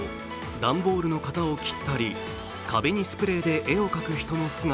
段ボールの型を切ったり、壁にスプレーで絵を描く人の姿。